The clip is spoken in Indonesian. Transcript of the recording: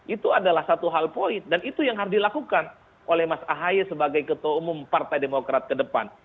itu adalah satu hal poin dan itu yang harus dilakukan oleh mas ahy sebagai ketua umum partai demokrat ke depan